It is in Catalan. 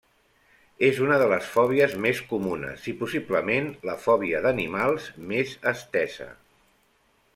És una de les fòbies més comunes i possiblement la fòbia d'animals més estesa.